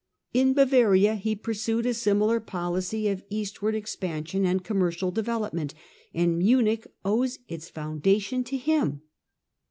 In Bavaria he pursued a similar policy of eastward expan sion and commercial development, and Munich owes its foundation to him.